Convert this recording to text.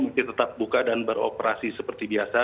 masih tetap buka dan beroperasi seperti biasa